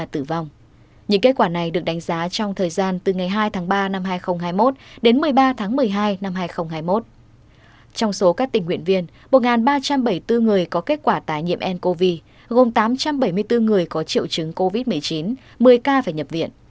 trong số những tình nguyện viên một ba trăm bảy mươi bốn người có kết quả tái nhiễm ncov gồm tám trăm bảy mươi bốn người có triệu chứng covid một mươi chín một mươi ca phải nhập viện